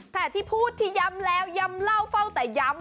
แต่ที่พูดที่ย้ำแล้วย้ำเล่าเฝ้าแต่ย้ำ